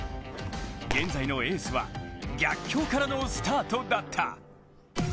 現在のエースは逆境からのスタートだった。